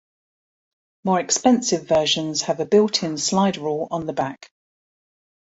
More expensive versions have a built-in slide rule on the back.